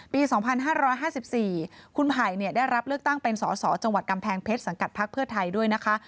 ปี๒๕๕๔คุณไผ่ได้รับเลือกตั้งเป็นสอสอจังหวัดกำแพงเพชรสังกัดพักเพื่อไทยด้วยนะคะ